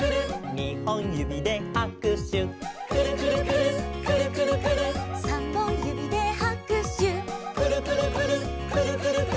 「にほんゆびではくしゅ」「くるくるくるっくるくるくるっ」「さんぼんゆびではくしゅ」「くるくるくるっくるくるくるっ」